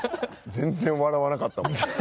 全然笑わなかった。